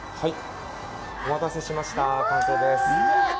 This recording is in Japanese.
お待たせしました、完成です